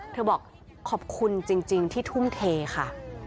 บอกขอบคุณจริงที่ทุ่มเทค่ะ